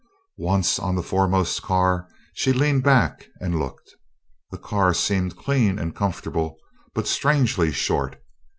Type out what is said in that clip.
Once on the foremost car, she leaned back and looked. The car seemed clean and comfortable but strangely short.